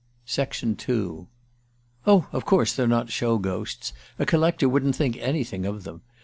II "OH, of course they're not show ghosts a collector wouldn't think anything of them